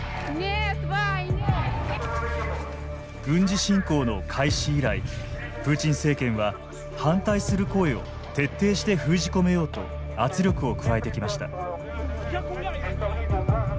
軍事侵攻の開始以来プーチン政権は反対する声を徹底して封じ込めようと圧力を加えてきました。